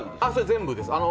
全部です。